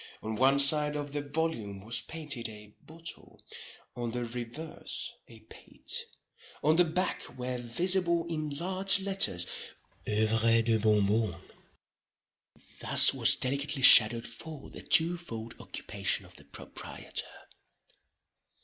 On one side of the volume was painted a bottle; on the reverse a paté. On the back were visible in large letters Œuvres de Bon Bon. Thus was delicately shadowed forth the two fold occupation of the proprietor.